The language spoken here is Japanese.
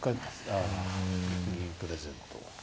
ああ銀プレゼント。